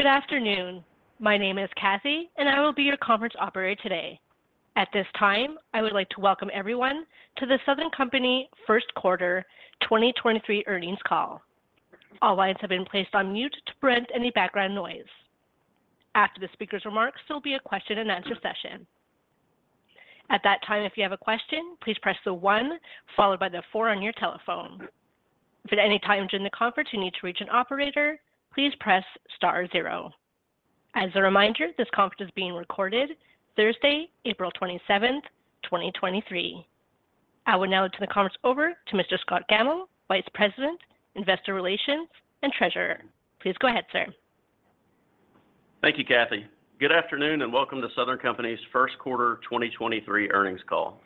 Good afternoon. My name is Cathy, and I will be your conference operator today. At this time, I would like to welcome everyone to the Southern Company First Quarter 2023 Earnings Call. All lines have been placed on mute to prevent any background noise. After the speaker's remarks, there'll be a question-and-answer session. At that time, if you have a question, please press the one followed by the four on your telephone. If at any time during the conference you need to reach an operator, please press star zero. As a reminder, this conference is being recorded Thursday, April 27th, 2023. I would now turn the conference over to Mr. Scott Gammill, Vice President, Investor Relations and Treasurer. Please go ahead, sir. Thank you, Cathy. Good afternoon. Welcome to Southern Company's First-Quarter 2023 Earnings Call.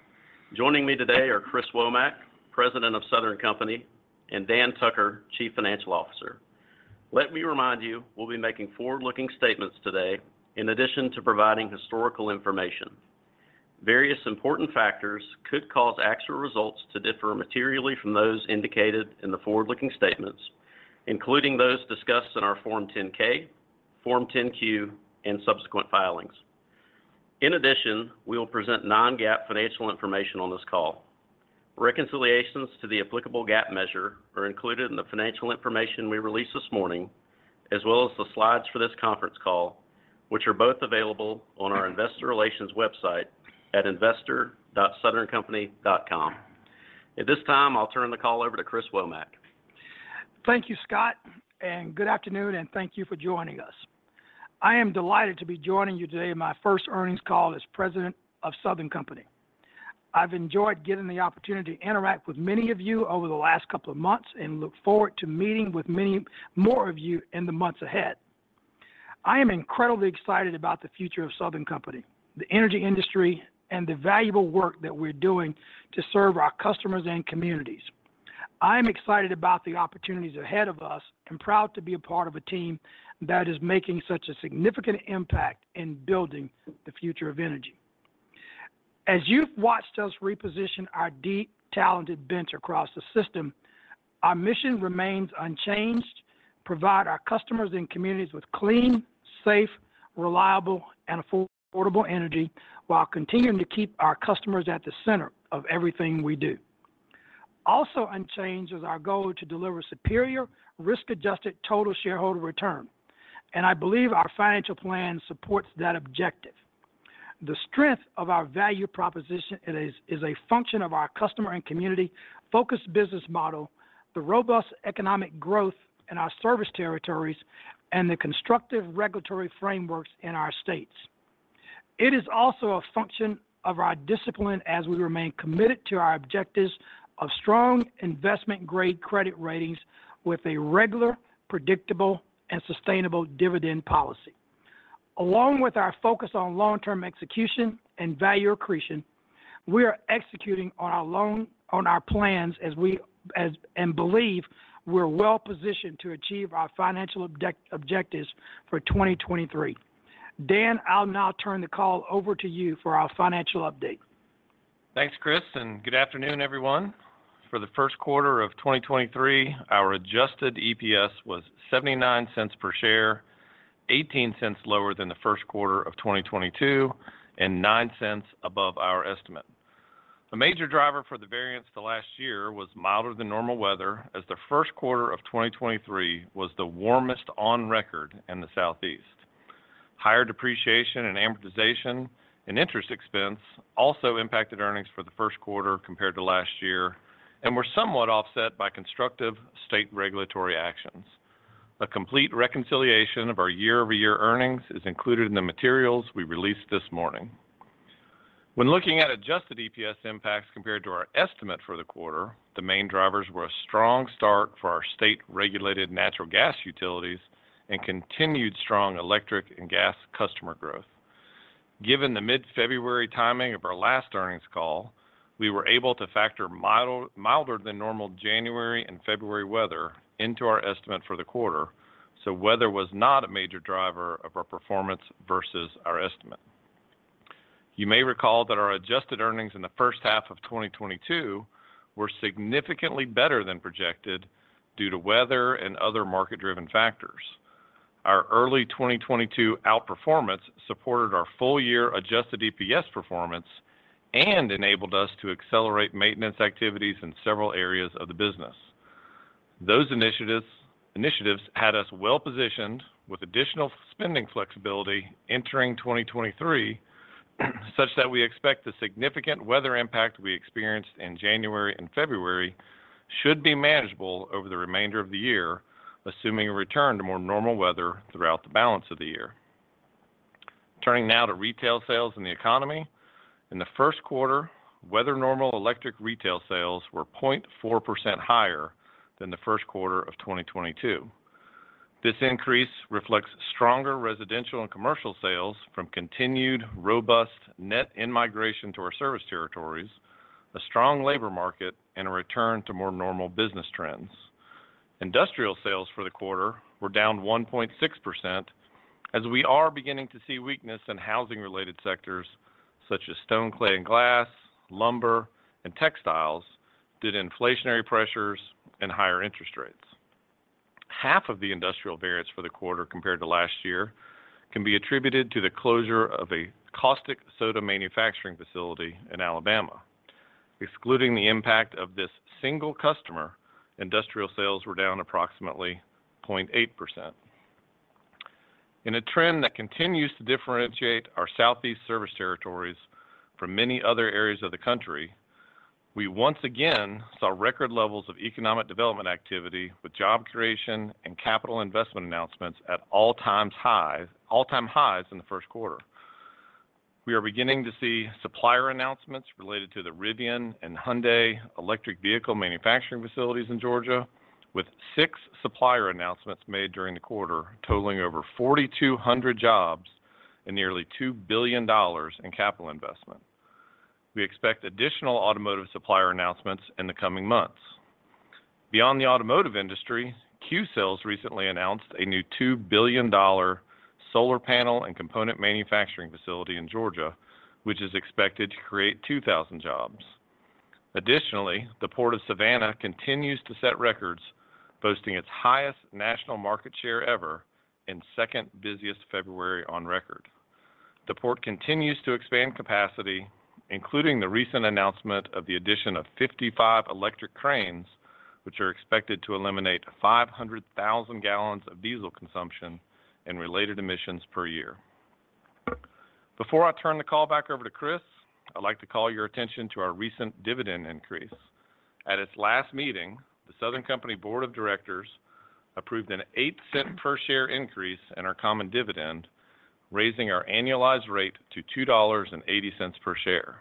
Joining me today are Chris Womack, President of Southern Company, and Dan Tucker, Chief Financial Officer. Let me remind you, we'll be making forward-looking statements today in addition to providing historical information. Various important factors could cause actual results to differ materially from those indicated in the forward-looking statements, including those discussed in our Form 10-K, Form 10-Q, and subsequent filings. In addition, we will present non-GAAP financial information on this call. Reconciliations to the applicable GAAP measure are included in the financial information we released this morning, as well as the slides for this conference call, which are both available on our investor relations website at investor.southerncompany.com. At this time, I'll turn the call over to Chris Womack. Thank you, Scott. Good afternoon, and thank you for joining us. I am delighted to be joining you today in my first earnings call as President of Southern Company. I've enjoyed getting the opportunity to interact with many of you over the last couple of months and look forward to meeting with many more of you in the months ahead. I am incredibly excited about the future of Southern Company, the energy industry, and the valuable work that we're doing to serve our customers and communities. I am excited about the opportunities ahead of us and proud to be a part of a team that is making such a significant impact in building the future of energy. As you've watched us reposition our deep, talented bench across the system, our mission remains unchanged: provide our customers and communities with clean, safe, reliable, and affordable energy while continuing to keep our customers at the center of everything we do. Also unchanged is our goal to deliver superior risk-adjusted total shareholder return. I believe our financial plan supports that objective. The strength of our value proposition is a function of our customer and community-focused business model, the robust economic growth in our service territories, and the constructive regulatory frameworks in our states. It is also a function of our discipline as we remain committed to our objectives of strong investment-grade credit ratings with a regular, predictable, and sustainable dividend policy. Along with our focus on long-term execution and value accretion, we are executing on our plans and believe we're well-positioned to achieve our financial objectives for 2023. Dan, I'll now turn the call over to you for our financial update. Thanks, Chris. Good afternoon, everyone. For the first quarter of 2023, our adjusted EPS was $0.79 per share, $0.18 lower than the first quarter of 2022 and $0.09 above our estimate. The major driver for the variance to last year was milder than normal weather as the first quarter of 2023 was the warmest on record in the Southeast. Higher depreciation and amortization and interest expense also impacted earnings for the first quarter compared to last year and were somewhat offset by constructive state regulatory actions. A complete reconciliation of our year-over-year earnings is included in the materials we released this morning. When looking at adjusted EPS impacts compared to our estimate for the quarter, the main drivers were a strong start for our state-regulated natural gas utilities and continued strong electric and gas customer growth. Given the mid-February timing of our last earnings call, we were able to factor mild, milder than normal January and February weather into our estimate for the quarter. Weather was not a major driver of our performance versus our estimate. You may recall that our adjusted earnings in the first half of 2022 were significantly better than projected due to weather and other market-driven factors. Our early 2022 outperformance supported our full-year adjusted EPS performance and enabled us to accelerate maintenance activities in several areas of the business. Those initiatives had us well-positioned with additional spending flexibility entering 2023 such that we expect the significant weather impact we experienced in January and February should be manageable over the remainder of the year, assuming a return to more normal weather throughout the balance of the year. Turning now to retail sales and the economy. In the first quarter, weather-normal electric retail sales were 0.4% higher than the first quarter of 2022. This increase reflects stronger residential and commercial sales from continued robust net in-migration to our service territories, a strong labor market, and a return to more normal business trends. Industrial sales for the quarter were down 1.6%, as we are beginning to see weakness in housing-related sectors such as stone, clay, and glass, lumber, and textiles did inflationary pressures and higher interest rates. Half of the industrial variance for the quarter compared to last year can be attributed to the closure of a caustic soda manufacturing facility in Alabama. Excluding the impact of this single customer, industrial sales were down approximately 0.8%. In a trend that continues to differentiate our Southeast service territories from many other areas of the country, we once again saw record levels of economic development activity with job creation and capital investment announcements at all-time highs in the first quarter. We are beginning to see supplier announcements related to the Rivian and Hyundai electric vehicle manufacturing facilities in Georgia, with six supplier announcements made during the quarter, totaling over 4,200 jobs and nearly $2 billion in capital investment. We expect additional automotive supplier announcements in the coming months. Beyond the automotive industry, Qcells recently announced a new $2 billion solar panel and component manufacturing facility in Georgia, which is expected to create 2,000 jobs. Additionally, the Port of Savannah continues to set records, boasting its highest national market share ever and second busiest February on record. The Port continues to expand capacity, including the recent announcement of the addition of 55 electric cranes, which are expected to eliminate 500,000 gallons of diesel consumption and related emissions per year. Before I turn the call back over to Chris, I'd like to call your attention to our recent dividend increase. At its last meeting, the Southern Company Board of Directors approved an $0.08 share increase in our common dividend, raising our annualized rate to $2.80 per share.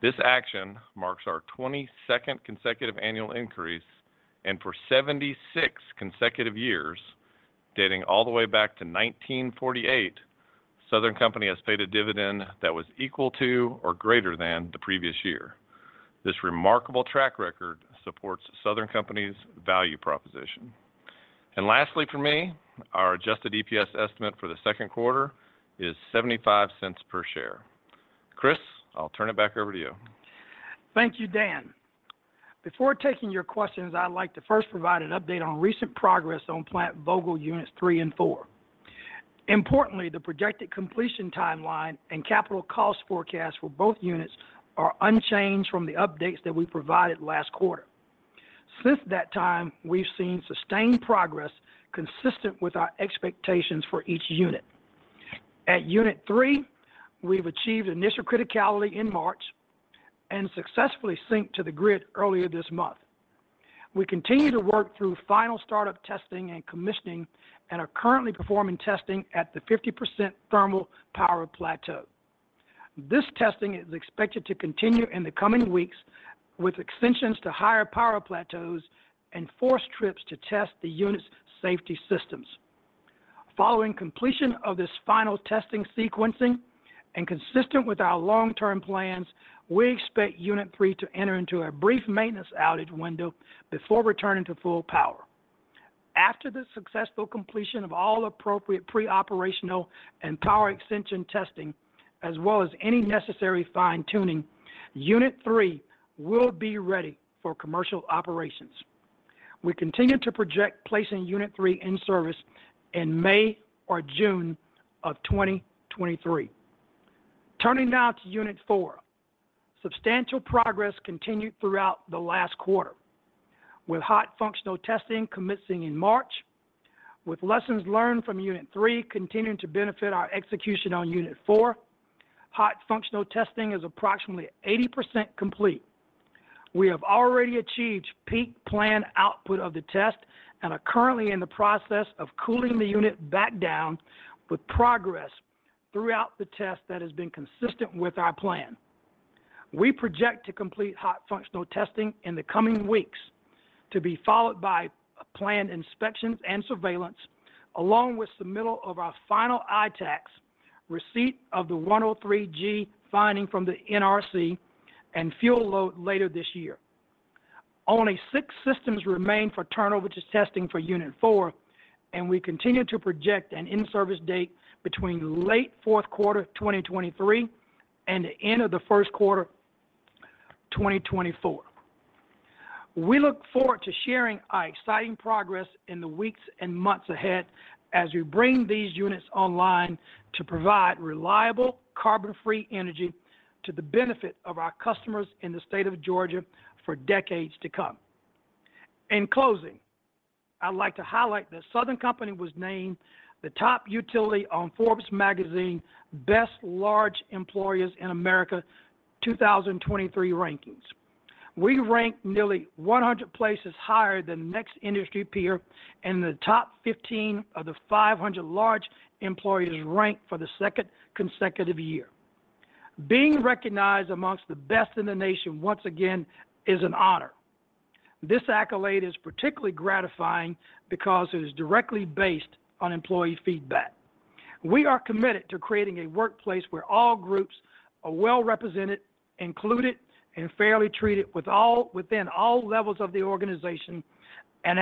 This action marks our 22nd consecutive annual increase. For 76 consecutive years, dating all the way back to 1948, Southern Company has paid a dividend that was equal to or greater than the previous year. This remarkable track record supports Southern Company's value proposition. Lastly from me, our adjusted EPS estimate for the second quarter is $0.75 per share. Chris, I'll turn it back over to you. Thank you, Dan. Before taking your questions, I'd like to first provide an update on recent progress on Plant Vogtle Units 3 and 4. Importantly, the projected completion timeline and capital cost forecast for both units are unchanged from the updates that we provided last quarter. Since that time, we've seen sustained progress consistent with our expectations for each unit. At Unit 3, we've achieved initial criticality in March and successfully synced to the grid earlier this month. We continue to work through final startup testing and commissioning and are currently performing testing at the 50% thermal power plateau. This testing is expected to continue in the coming weeks with extensions to higher power plateaus and forced trips to test the unit's safety systems. Following completion of this final testing sequencing and consistent with our long-term plans, we expect Unit 3 to enter into a brief maintenance outage window before returning to full power. After the successful completion of all appropriate pre-operational and power extension testing, as well as any necessary fine-tuning, Unit 3 will be ready for commercial operations. We continue to project placing Unit 3 in service in May or June of 2023. Turning now to Unit 4. Substantial progress continued throughout the last quarter, with hot functional testing commencing in March, with lessons learned from Unit 3 continuing to benefit our execution on Unit 4. Hot functional testing is approximately 80% complete. We have already achieved peak planned output of the test and are currently in the process of cooling the unit back down with progress throughout the test that has been consistent with our plan. We project to complete hot functional testing in the coming weeks to be followed by planned inspections and surveillance along with submittal of our final ITAAC, receipt of the 103(g) finding from the NRC, and fuel load later this year. Only six systems remain for turnover to testing for Unit 4, and we continue to project an in-service date between late fourth quarter of 2023 and the end of the first quarter 2024. We look forward to sharing our exciting progress in the weeks and months ahead as we bring these units online to provide reliable, carbon-free energy to the benefit of our customers in the state of Georgia for decades to come. In closing, I'd like to highlight that Southern Company was named the top utility on Forbes magazine Best Large Employers in America 2023 rankings. We ranked nearly 100 places higher than the next industry peer and in the top 15 of the 500 large employers ranked for the second consecutive year. Being recognized amongst the best in the nation once again is an honor. This accolade is particularly gratifying because it is directly based on employee feedback. We are committed to creating a workplace where all groups are well-represented, included, and fairly treated within all levels of the organization and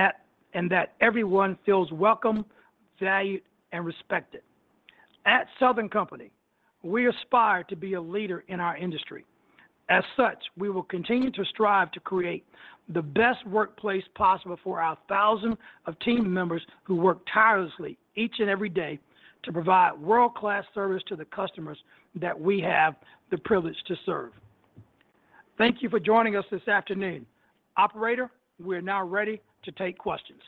that everyone feels welcome, valued, and respected. At Southern Company, we aspire to be a leader in our industry. As such, we will continue to strive to create the best workplace possible for our thousands of team members who work tirelessly each and every day to provide world-class service to the customers that we have the privilege to serve. Thank you for joining us this afternoon. Operator, we're now ready to take questions.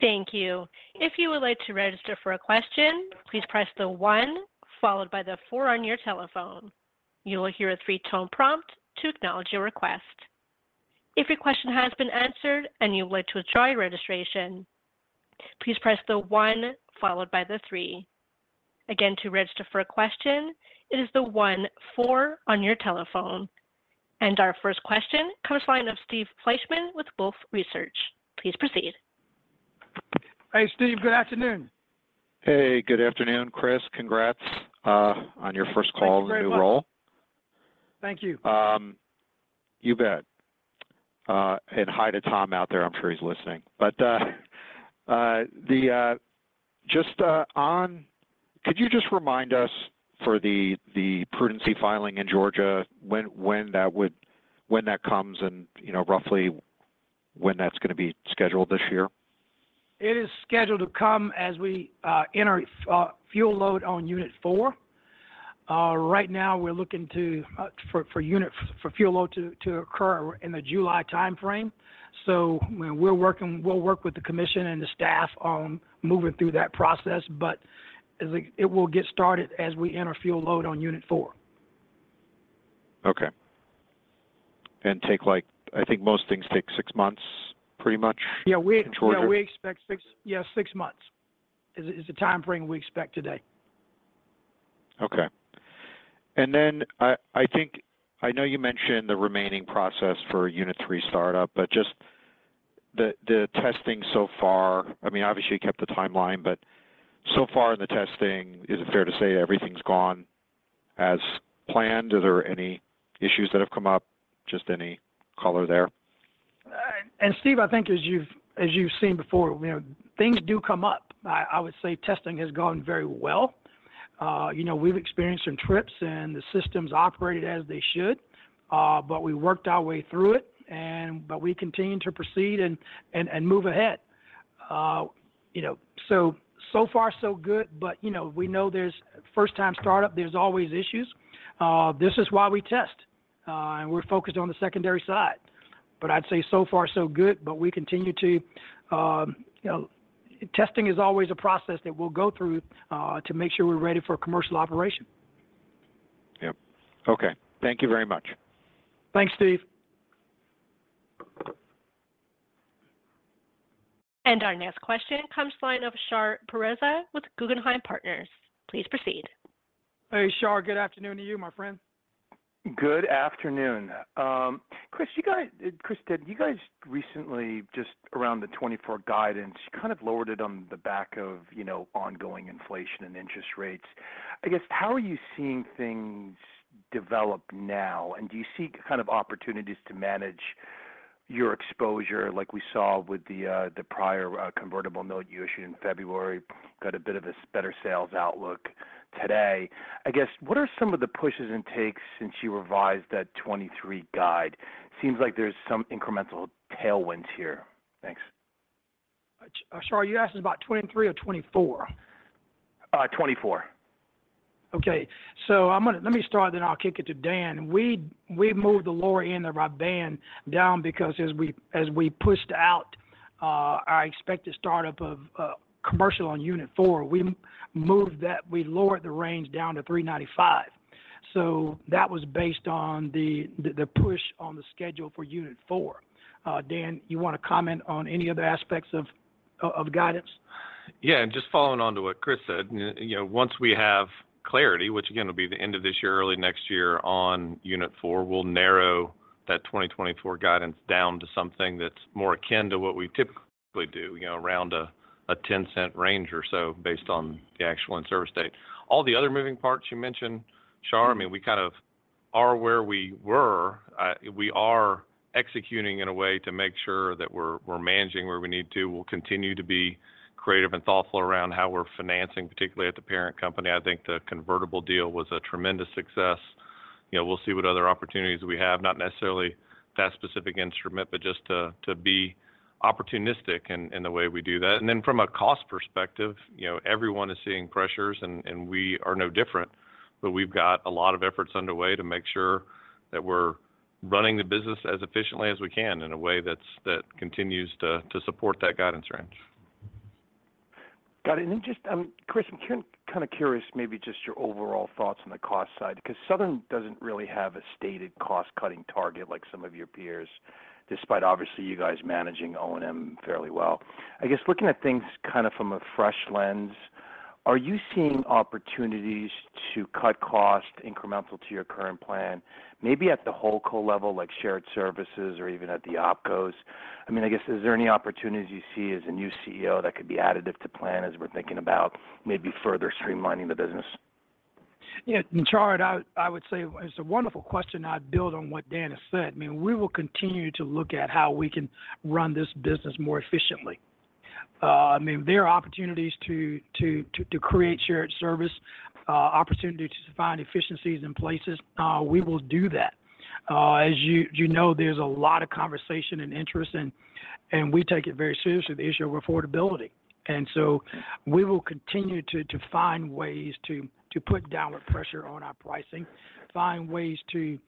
Thank you. If you would like to register for a question, please press the one followed by the four on your telephone. You will hear a three-tone prompt to acknowledge your request. If your question has been answered and you'd like to withdraw your registration, please press the one followed by the three. Again, to register for a question, it is the one, four on your telephone. Our first question comes line of Steve Fleishman with Wolfe Research. Please proceed. Hey, Steve. Good afternoon. Hey, good afternoon, Chris. Congrats, on your first call. Thank you very much. in the new role. Thank you. You bet. Hi to Dan out there. I'm sure he's listening. Could you just remind us for the prudency filing in Georgia, when that comes and, you know, roughly when that's gonna be scheduled this year? It is scheduled to come as we enter fuel load on Unit 4. Right now we're looking for fuel load to occur in the July timeframe. We'll work with the commission and the staff on moving through that process, but it will get started as we enter fuel load on Unit 4. Okay. I think most things take six months pretty much in Georgia. Yeah, we expect six. Yeah, six months is the timeframe we expect today. Okay. I know you mentioned the remaining process for Unit 3 startup, but just the testing so far. I mean, obviously, you kept the timeline, but so far the testing, is it fair to say everything's gone as planned? Are there any issues that have come up? Just any color there. Steve, I think as you've, as you've seen before, you know, things do come up. I would say testing has gone very well. You know, we've experienced some trips and the systems operated as they should, but we worked our way through it. But we continue to proceed and move ahead. You know, so far so good. You know, we know there's first time startup, there's always issues. This is why we test. We're focused on the secondary side. I'd say so far so good. We continue to, you know. Testing is always a process that we'll go through, to make sure we're ready for commercial operation. Yep. Okay. Thank you very much. Thanks, Steve. Our next question comes line of Shar Pourreza with Guggenheim Partners. Please proceed. Hey, Shar. Good afternoon to you, my friend. Good afternoon. Chris, did you guys recently, just around the 2024 guidance, kind of lowered it on the back of, you know, ongoing inflation and interest rates? I guess, how are you seeing things develop now? Do you see kind of opportunities to manage your exposure like we saw with the prior convertible note you issued in February? Got a bit of a better sales outlook today. I guess, what are some of the pushes and takes since you revised that 2023 guide? Seems like there's some incremental tailwinds here. Thanks. Shar, are you asking about 2023 or 2024? 24. Let me start then I'll kick it to Dan. We moved the lower end of our band down because as we pushed out our expected startup of commercial on Unit 4, we lowered the range down to $3.95. That was based on the push on the schedule for Unit 4. Dan, you wanna comment on any other aspects of guidance? Yeah. Just following on to what Chris said. You know, once we have clarity, which again will be the end of this year, early next year on Unit 4, we'll narrow that 2024 guidance down to something that's more akin to what we typically do, you know, around a $0.10 range or so based on the actual in-service date. All the other moving parts you mentioned, Shar, I mean, we kind of are where we were. We are executing in a way to make sure that we're managing where we need to. We'll continue to be creative and thoughtful around how we're financing, particularly at the parent company. I think the convertible deal was a tremendous success. You know, we'll see what other opportunities we have, not necessarily that specific instrument, but just to be opportunistic in the way we do that. From a cost perspective, you know, everyone is seeing pressures and we are no different. We've got a lot of efforts underway to make sure that we're running the business as efficiently as we can in a way that continues to support that guidance range. Got it. Then just, Chris, I'm kinda curious maybe just your overall thoughts on the cost side, because Southern doesn't really have a stated cost-cutting target like some of your peers, despite obviously you guys managing O&M fairly well. I guess looking at things kinda from a fresh lens, are you seeing opportunities to cut costs incremental to your current plan? Maybe at the whole co level, like shared services or even at the OpCos. I mean, I guess is there any opportunities you see as a new CEO that could be additive to plan as we're thinking about maybe further streamlining the business? Yeah, and Shar, I would say it's a wonderful question. I'd build on what Dan has said. I mean, we will continue to look at how we can run this business more efficiently. I mean, there are opportunities to create shared service, opportunity to find efficiencies in places. We will do that. As you know, there's a lot of conversation and interest, and we take it very seriously, the issue of affordability. We will continue to find ways to put downward pressure on our pricing, find ways to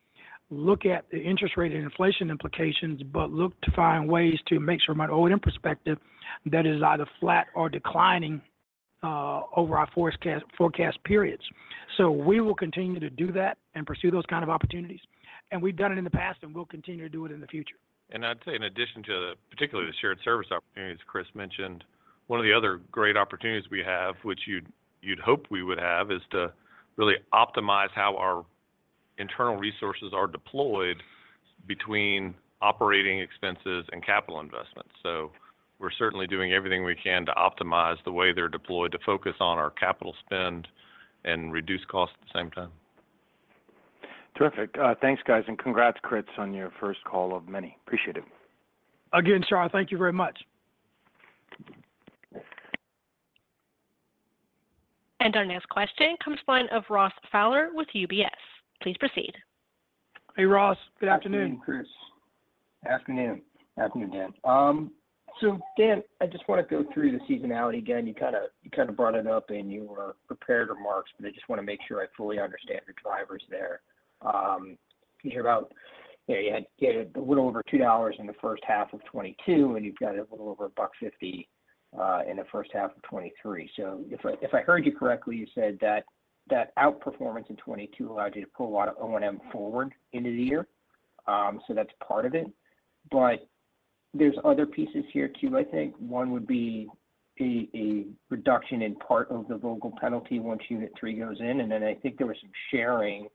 look at the interest rate and inflation implications, but look to find ways to make sure from an O&M perspective that is either flat or declining over our forecast periods. We will continue to do that and pursue those kind of opportunities, and we've done it in the past, and we'll continue to do it in the future. I'd say in addition to the particularly the shared service opportunities Chris mentioned, one of the other great opportunities we have, which you'd hope we would have, is to really optimize how our internal resources are deployed between operating expenses and capital investments. We're certainly doing everything we can to optimize the way they're deployed to focus on our capital spend and reduce costs at the same time. Terrific. Thanks, guys. Congrats, Chris, on your first call of many. Appreciate it. Again, Shar, thank you very much. Our next question comes from line of Ross Fowler with UBS. Please proceed. Hey, Ross. Good afternoon. Afternoon, Chris. Afternoon. Afternoon, Dan. Dan, I just wanna go through the seasonality again. You kinda brought it up in your prepared remarks, but I just wanna make sure I fully understand the drivers there. You hear about, you know, you had a little over $2 in the first half of 2022, and you've got a little over $1.50 in the first half of 2023. If I heard you correctly, you said that that outperformance in 2022 allowed you to pull a lot of O&M forward into the year, so that's part of it. There's other pieces here too, I think. One would be a reduction in part of the Vogtle penalty once Unit 3 goes in, and then I think there was some sharing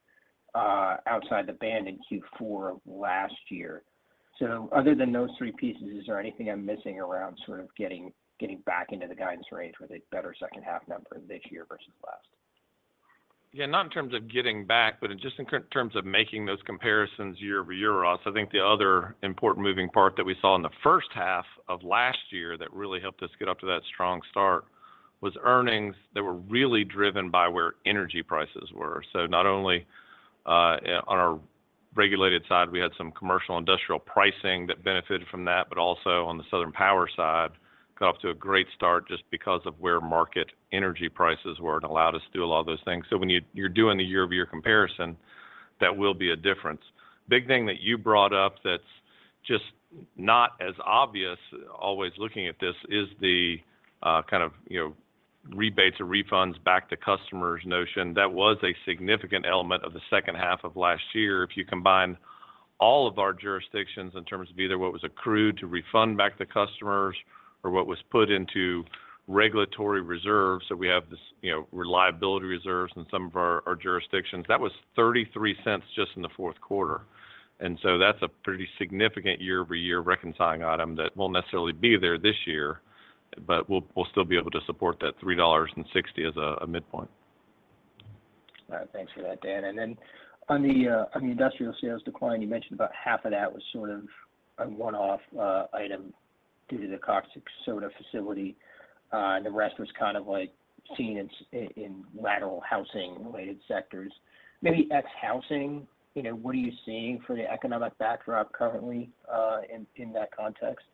outside the band in Q4 of last year. Other than those three pieces, is there anything I'm missing around sort of getting back into the guidance range with a better second half number this year versus last? Yeah, not in terms of getting back, but in just in terms of making those comparisons year-over-year, Ross. I think the other important moving part that we saw in the first half of last year that really helped us get up to that strong start was earnings that were really driven by where energy prices were. Not only on our regulated side, we had some commercial industrial pricing that benefited from that, but also on the Southern Power side, got off to a great start just because of where market energy prices were and allowed us to do a lot of those things. When you're doing the year-over-year comparison, that will be a difference. Big thing that you brought up that's just not as obvious always looking at this is the kind of, you know, rebates or refunds back to customers notion. That was a significant element of the second half of last year. If you combine all of our jurisdictions in terms of either what was accrued to refund back to customers or what was put into regulatory reserves, we have this, you know, reliability reserves in some of our jurisdictions. That was $0.33 just in the fourth quarter. That's a pretty significant year-over-year reconciling item that won't necessarily be there this year, but we'll still be able to support that $3.60 as a midpoint. All right. Thanks for that, Dan. On the industrial sales decline, you mentioned about half of that was sort of a one-off item due to the caustic soda facility. The rest was kind of like seen in lateral housing-related sectors. Maybe ex-housing, you know, what are you seeing for the economic backdrop currently in that context?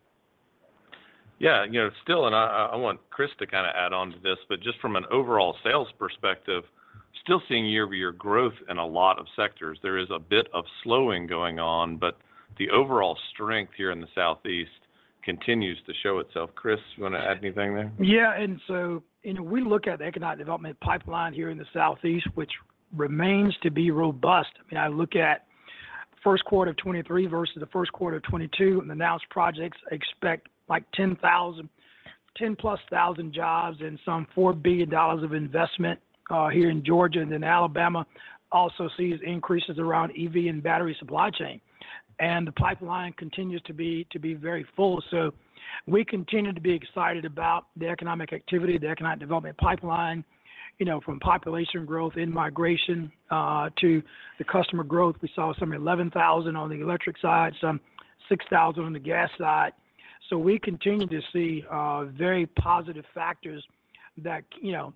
Yeah. You know, still, I want Chris to kinda add on to this, just from an overall sales perspective, still seeing year-over-year growth in a lot of sectors. There is a bit of slowing going on, but the overall strength here in the Southeast continues to show itself. Chris, you wanna add anything there? Yeah. You know, we look at the economic development pipeline here in the Southeast, which remains to be robust. I mean, I look at first quarter of 2023 versus the first quarter of 2022, the announced projects expect, like, 10,000+ jobs and some $4 billion of investment here in Georgia and in Alabama, also sees increases around EV and battery supply chain. The pipeline continues to be very full. We continue to be excited about the economic activity, the economic development pipeline, you know, from population growth, in-migration, to the customer growth. We saw some 11,000 on the electric side, some 6,000 on the gas side. We continue to see, very positive factors that, you know,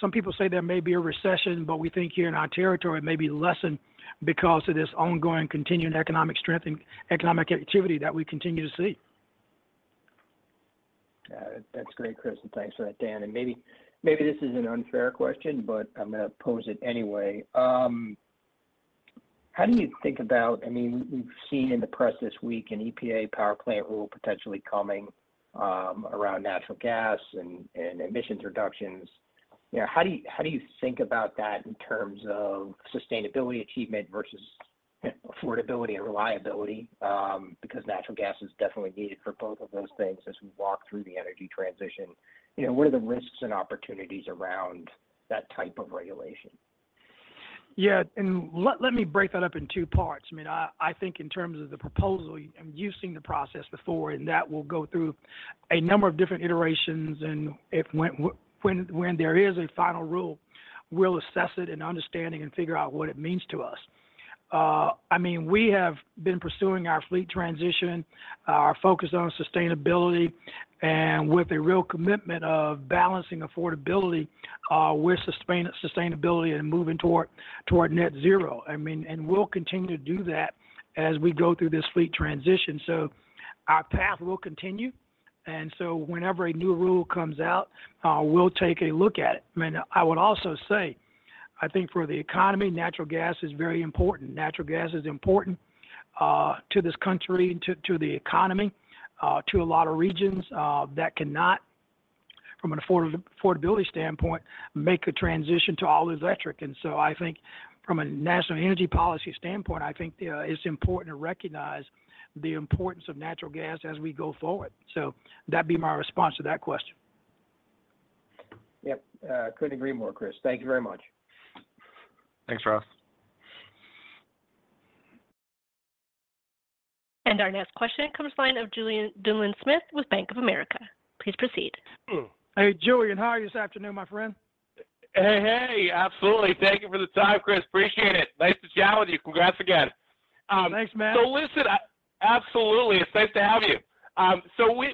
some people say there may be a recession, but we think here in our territory it may be lessened because of this ongoing continuing economic strength and economic activity that we continue to see. Yeah. That's great, Chris, and thanks for that, Dan. Maybe this is an unfair question, but I'm gonna pose it anyway. I mean, we've seen in the press this week an EPA power plant rule potentially coming, around natural gas and emissions reductions. You know, how do you think about that in terms of sustainability achievement versus affordability and reliability? Because natural gas is definitely needed for both of those things as we walk through the energy transition. You know, what are the risks and opportunities around that type of regulation? Yeah, let me break that up in two parts. I mean, I think in terms of the proposal, you've seen the process before, and that will go through a number of different iterations. If when there is a final rule, we'll assess it and understanding and figure out what it means to us. I mean, we have been pursuing our fleet transition, our focus on sustainability, and with a real commitment of balancing affordability, with sustainability and moving toward net zero. I mean, we'll continue to do that as we go through this fleet transition. Our path will continue, whenever a new rule comes out, we'll take a look at it. I mean, I would also say, I think for the economy, natural gas is very important. Natural gas is important to this country, to the economy, to a lot of regions that cannot from an affordability standpoint, make a transition to all electric. I think from a national energy policy standpoint, I think it's important to recognize the importance of natural gas as we go forward. That'd be my response to that question. Yep. Couldn't agree more, Chris. Thank you very much. Thanks, Ross. Our next question comes line of Julien Dumoulin-Smith with Bank of America. Please proceed. Hey, Julien. How are you this afternoon, my friend? Hey, hey. Absolutely. Thank you for the time, Chris. Appreciate it. Nice to chat with you. Congrats again. Thanks, man. Listen-- Absolutely. It's nice to have you.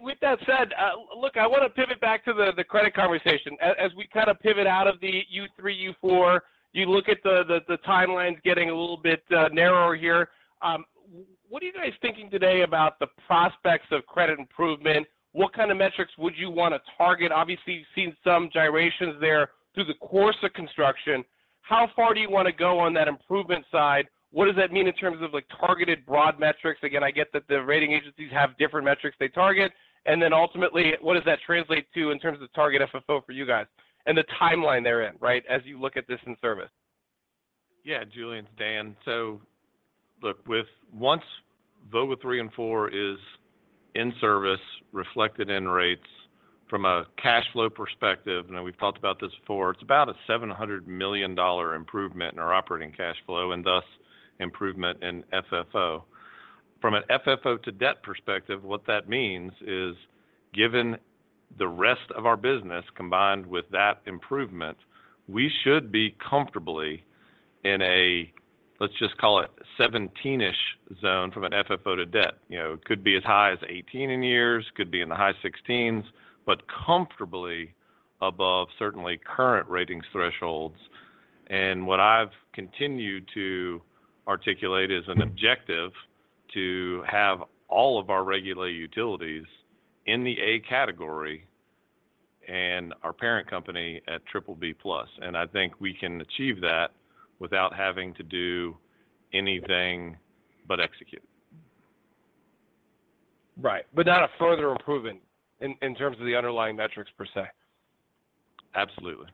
With that said, look, I wanna pivot back to the credit conversation. As we kind of pivot out of the U3, U4, you look at the timelines getting a little bit narrower here. What are you guys thinking today about the prospects of credit improvement? What kind of metrics would you wanna target? Obviously, you've seen some gyrations there through the course of construction. How far do you wanna go on that improvement side? What does that mean in terms of, like, targeted broad metrics? Again, I get that the rating agencies have different metrics they target. Ultimately, what does that translate to in terms of target FFO for you guys and the timeline they're in, right, as you look at this in service? Yeah, Julien, it's Dan. Look, once Vogtle Unit 3 and Unit 4 is in service reflected in rates from a cash flow perspective, I know we've talked about this before, it's about a $700 million improvement in our operating cash flow and thus improvement in FFO. From an FFO to debt perspective, what that means is given the rest of our business combined with that improvement, we should be comfortably in a, let's just call it 17-ish zone from an FFO to debt. You know, it could be as high as 18 in years, could be in the high 16s, but comfortably above certainly current ratings thresholds. What I've continued to articulate is an objective to have all of our regulated utilities in the A category and our parent company at BBB+. I think we can achieve that without having to do anything but execute. Right. Not a further improvement in terms of the underlying metrics per se? Absolutely.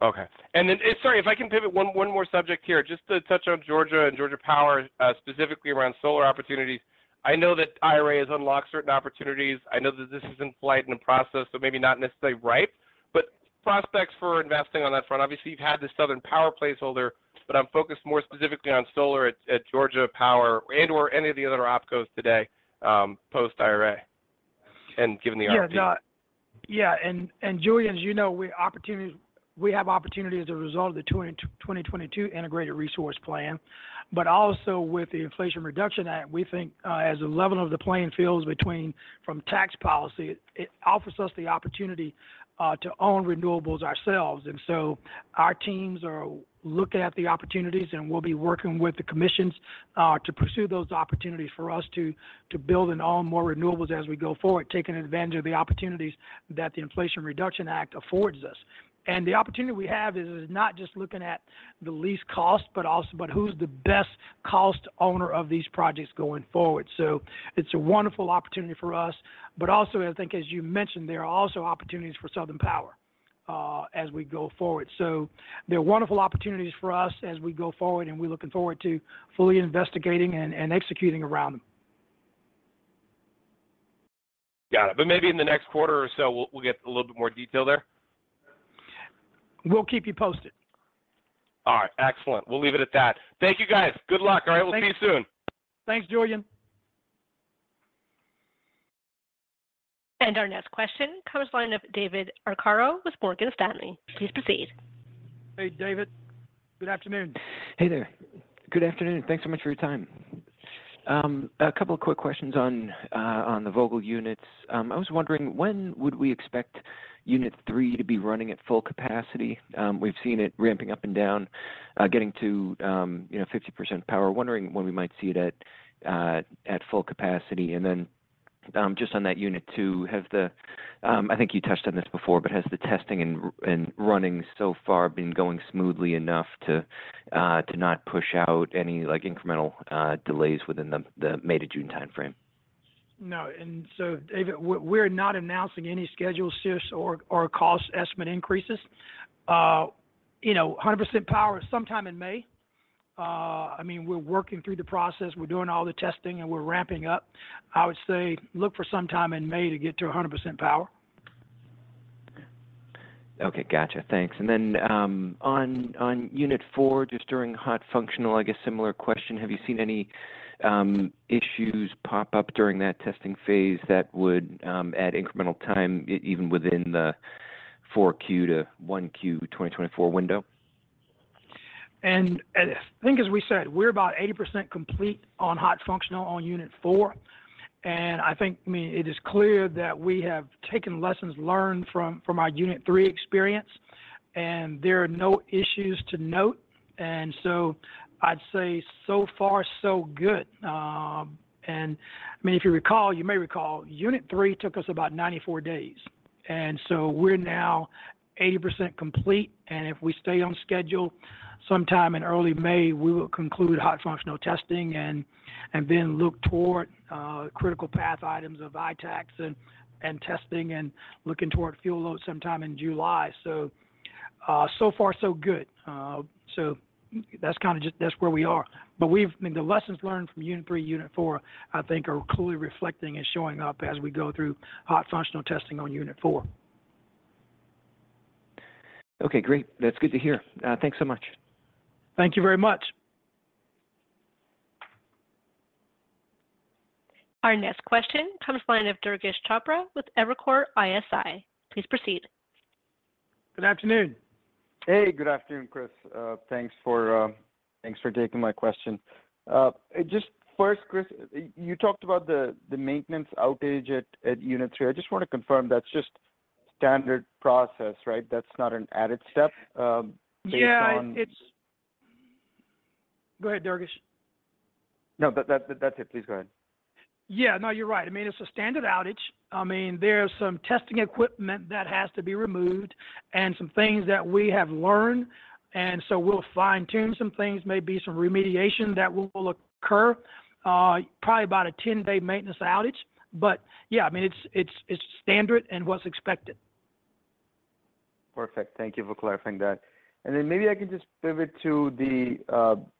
Okay. Then, sorry, if I can pivot one more subject here, just to touch on Georgia and Georgia Power specifically around solar opportunities. I know that IRA has unlocked certain opportunities. I know that this is in flight in the process, so maybe not necessarily ripe, but prospects for investing on that front. Obviously, you've had the Southern Power placeholder, but I'm focused more specifically on solar at Georgia Power and/or any of the other OpCos today, post IRA and given the RFP. Yeah. Julien, as you know, we have opportunity as a result of the 2022 Integrated Resource Plan, but also with the Inflation Reduction Act, we think, as a level of the playing fields between from tax policy, it offers us the opportunity to own renewables ourselves. Our teams are looking at the opportunities, and we'll be working with the commissions to pursue those opportunities for us to build and own more renewables as we go forward, taking advantage of the opportunities that the Inflation Reduction Act affords us. The opportunity we have is not just looking at the least cost, but also who's the best cost owner of these projects going forward. It's a wonderful opportunity for us. Also, I think as you mentioned, there are also opportunities for Southern Power, as we go forward. There are wonderful opportunities for us as we go forward, and we're looking forward to fully investigating and executing around them. Got it. Maybe in the next quarter or so, we'll get a little bit more detail there. We'll keep you posted. All right. Excellent. We'll leave it at that. Thank you, guys. Good luck. All right. We'll see you soon. Thanks, Julien. Our next question comes line of David Arcaro with Morgan Stanley. Please proceed. Hey, David. Good afternoon. Hey there. Good afternoon. Thanks so much for your time. A couple of quick questions on the Vogtle units. I was wondering when would we expect Unit 3 to be running at full capacity? We've seen it ramping up and down, you know, getting to 50% power. Wondering when we might see that at full capacity. Just on that Unit 2, has the, I think you touched on this before, but has the testing and running so far been going smoothly enough to not push out any like incremental delays within the May to June time frame? No. David, we're not announcing any schedule shifts or cost estimate increases. You know, 100% power is sometime in May. I mean, we're working through the process, we're doing all the testing and we're ramping up. I would say look for sometime in May to get to 100% power. Okay, gotcha. Thanks. Then, on Unit 4, just during hot functional, I guess similar question, have you seen any issues pop up during that testing phase that would add incremental time even within the 4Q to 1Q 2024 window? I think as we said, we're about 80% complete on hot functional on Unit 4. I think, I mean, it is clear that we have taken lessons learned from our Unit 3 experience, and there are no issues to note. I'd say so far so good. I mean, if you recall, you may recall Unit 3 took us about 94 days. We're now 80% complete. If we stay on schedule, sometime in early May, we will conclude hot functional testing and then look toward critical path items of ITAACs and testing and looking toward fuel load sometime in July. So far so good. That's where we are. I mean, the lessons learned from Unit 3, Unit 4, I think are clearly reflecting and showing up as we go through hot functional testing on Unit 4. Okay, great. That's good to hear. Thanks so much. Thank you very much. Our next question comes line of Durgesh Chopra with Evercore ISI. Please proceed. Good afternoon. Hey, good afternoon, Chris. Thanks for thanks for taking my question. Just first, Chris, you talked about the maintenance outage at Unit 3. I just want to confirm that's just standard process, right? That's not an added step, based on. Yeah, Go ahead, Durgesh. No, that's it. Please go ahead. Yeah, no, you're right. I mean, it's a standard outage. I mean, there's some testing equipment that has to be removed and some things that we have learned. We'll fine-tune some things, maybe some remediation that will occur, probably about a 10-day maintenance outage. Yeah, I mean, it's, it's standard and what's expected. Perfect. Thank you for clarifying that. Maybe I can just pivot to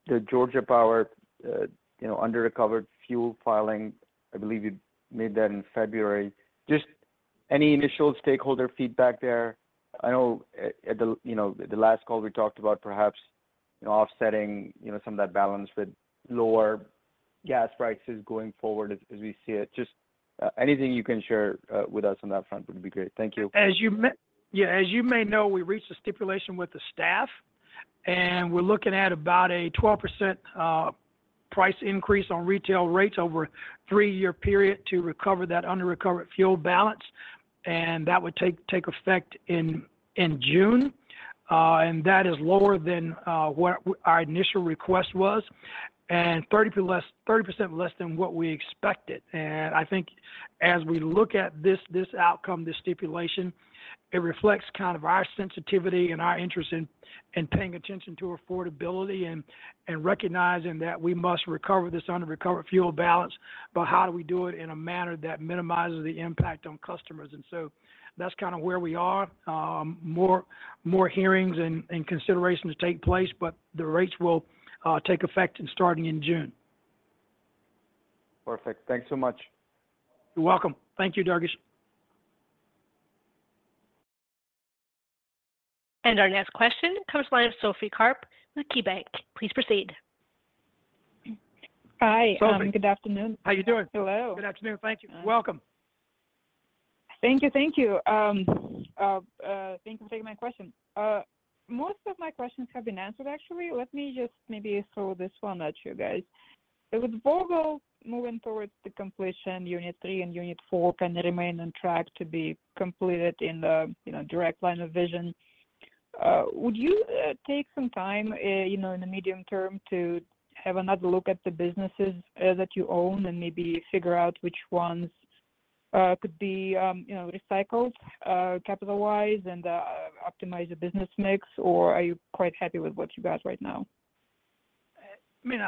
the Georgia Power, you know, under-recovered fuel filing. I believe you made that in February. Any initial stakeholder feedback there? I know at the, you know, the last call we talked about perhaps, you know, offsetting, you know, some of that balance with lower gas prices going forward as we see it. Anything you can share, with us on that front would be great. Thank you. As you may know, we reached a stipulation with the staff, and we're looking at about a 12% price increase on retail rates over a three year period to recover that under-recovered fuel balance, and that would take effect in June. That is lower than what our initial request was, and 30% less than what we expected. I think as we look at this outcome, this stipulation, it reflects kind of our sensitivity and our interest in paying attention to affordability and recognizing that we must recover this under-recovered fuel balance. How do we do it in a manner that minimizes the impact on customers? That's kinda where we are. More hearings and considerations take place, but the rates will take effect in starting in June. Perfect. Thanks so much. You're welcome. Thank you, Durgesh. Our next question comes line of Sophie Karp with KeyBank. Please proceed. Hi. Sophie. Good afternoon. How you doing? Hello. Good afternoon. Thank you. Welcome. Thank you. Thank you. Thanks for taking my question. Most of my questions have been answered, actually. Let me just maybe throw this one at you guys. With Vogtle moving towards the completion, Unit 3 and Unit 4 can remain on track to be completed in the, you know, direct line of vision. Would you take some time, you know, in the medium term to have another look at the businesses that you own and maybe figure out which ones could be, you know, recycled, capital-wise and optimize the business mix? Are you quite happy with what you got right now? I mean,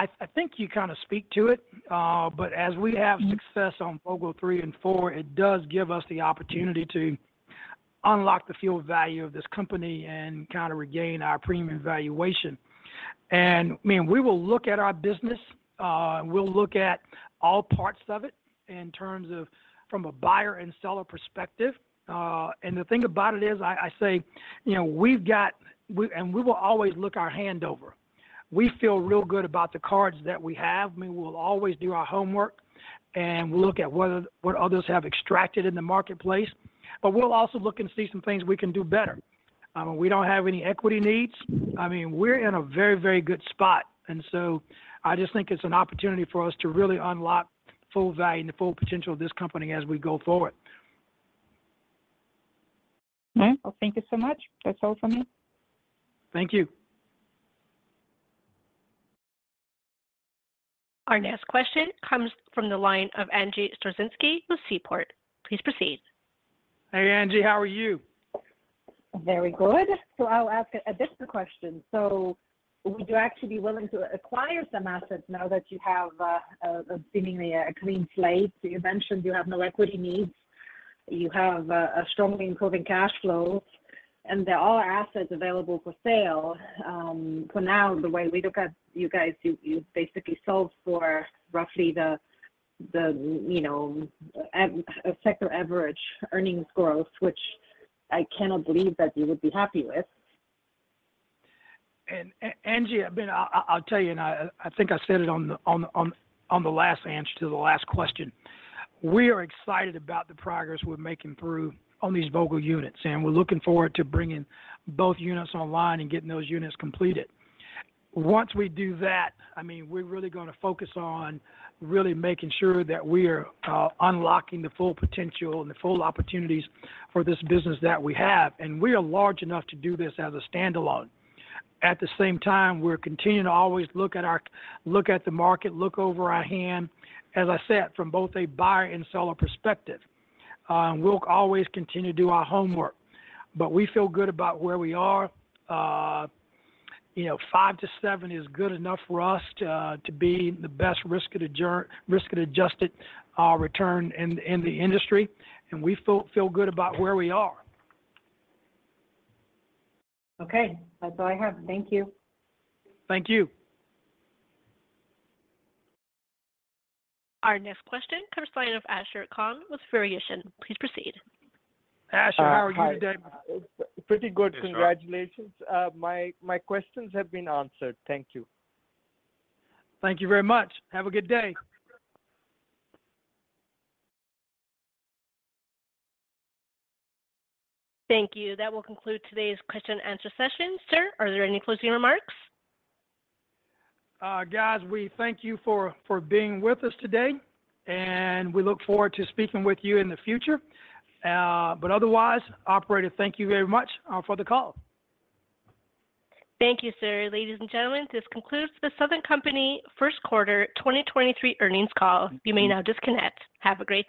I think you kinda speak to it. As we have success on Vogtle 3 and 4, it does give us the opportunity to unlock the field value of this company and kinda regain our premium valuation. I mean, we will look at our business, we'll look at all parts of it in terms of from a buyer and seller perspective. The thing about it is, I say, you know, we've got, and we will always look our hand over. We feel real good about the cards that we have. I mean, we'll always do our homework, and we'll look at what others have extracted in the marketplace. We'll also look and see some things we can do better. I mean, we don't have any equity needs. I mean, we're in a very, very good spot. I just think it's an opportunity for us to really unlock full value and the full potential of this company as we go forward. All right. Well, thank you so much. That's all for me. Thank you. Our next question comes from the line of Angie Storozynski with Seaport. Please proceed. Hey, Angie, how are you? Very good. I'll ask a different question. Would you actually be willing to acquire some assets now that you have a seemingly a clean slate? You mentioned you have no equity needs, you have a strongly improving cash flow. They're all assets available for sale. For now, the way we look at you guys, you basically solve for roughly the, you know, a sector average earnings growth, which I cannot believe that you would be happy with. Angie, I mean, I'll tell you, and I think I said it on the last answer to the last question. We are excited about the progress we're making through on these Vogtle units, and we're looking forward to bringing both units online and getting those units completed. Once we do that, I mean, we're really gonna focus on really making sure that we're unlocking the full potential and the full opportunities for this business that we have, and we are large enough to do this as a standalone. At the same time, we're continuing to always look at our look at the market, look over our hand, as I said, from both a buyer and seller perspective. We'll always continue to do our homework. We feel good about where we are. you know, 5 to 7 is good enough for us to be the best risk-adjusted return in the industry, and we feel good about where we are. Okay. That's all I have. Thank you. Thank you. Our next question comes from line of Ashar Khan with Verition. Please proceed. Ashar, how are you today? Hi. Pretty good. Yes, sir. Congratulations. My, my questions have been answered. Thank you. Thank you very much. Have a good day. Thank you. That will conclude today's question and answer session. Sir, are there any closing remarks? Guys, we thank you for being with us today, and we look forward to speaking with you in the future. Otherwise, operator, thank you very much, for the call. Thank you, sir. Ladies and gentlemen, this concludes the Southern Company First Quarter 2023 Earnings Call. You may now disconnect. Have a great day.